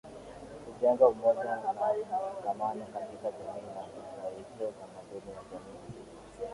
Kujenga umoja na mshikamano katika jamii na Kustawisha utamaduni wa jamii husika